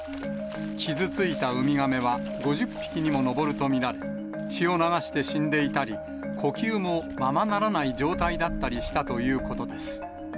傷ついたウミガメは５０匹にも上ると見られ、血を流して死んでいたり、呼吸もままならない状態だったりしたということです。